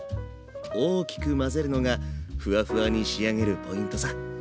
大きく混ぜるのがフワフワに仕上げるポイントさ。